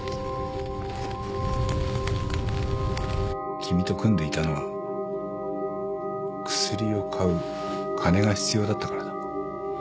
君と組んでいたのはクスリを買う金が必要だったからだ。